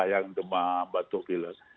yang demam batuk gilis